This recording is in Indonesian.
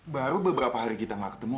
baru beberapa hari kita gak ketemu